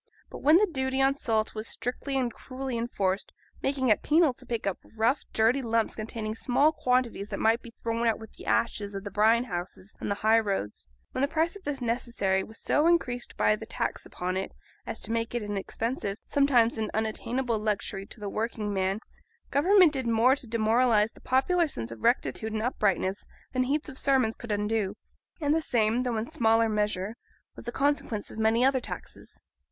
But when the duty on salt was strictly and cruelly enforced, making it penal to pick up rough dirty lumps containing small quantities that might be thrown out with the ashes of the brine houses on the high roads; when the price of this necessary was so increased by the tax upon it as to make it an expensive, sometimes an unattainable, luxury to the working man, Government did more to demoralise the popular sense of rectitude and uprightness than heaps of sermons could undo. And the same, though in smaller measure, was the consequence of many other taxes.